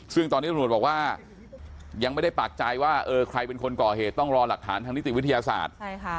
ซึ่งตอนนี้ตำรวจบอกว่ายังไม่ได้ปากใจว่าเออใครเป็นคนก่อเหตุต้องรอหลักฐานทางนิติวิทยาศาสตร์